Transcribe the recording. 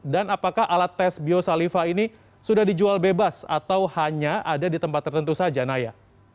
dan apakah alat tes biosalifah ini sudah dijual bebas atau hanya ada di tempat tertentu saja naya